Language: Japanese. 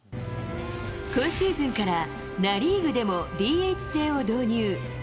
今シーズンからナ・リーグでもＤＨ制を導入。